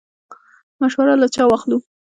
مشوره له چا واخلو؟